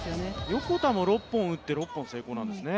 横田も６本打って、６本成功なんですね。